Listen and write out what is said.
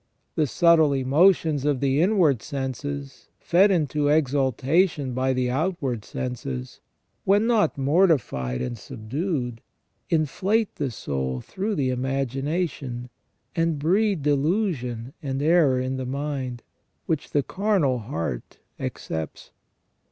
The subtle emotions of the inward senses, fed into exaltation by the outward senses, when not mortified and subdued, inflate the soul through the imagination, and breed delusion and error in the mind, which the carnal heart accepts.